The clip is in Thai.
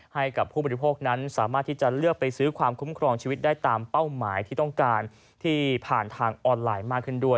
ให้กับผู้บริโภคนั้นสามารถที่จะเลือกไปซื้อความคุ้มครองชีวิตได้ตามเป้าหมายที่ต้องการที่ผ่านทางออนไลน์มากขึ้นด้วย